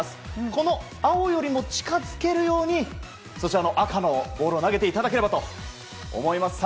この青よりも近づけるようにそちらの赤のボールを投げていただければと思います。